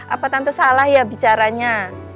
apa tante salah ya bicaranya